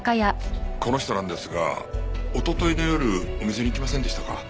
この人なんですがおとといの夜お店に来ませんでしたか？